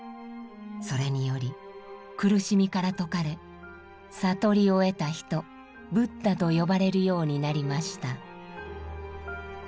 それにより苦しみから解かれ「悟りを得た人」ブッダと呼ばれるようになりました。